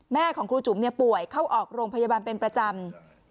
แม่ของครูจุ๋มป่วยเข้าออกโรงพยาบาลเป็นประจำ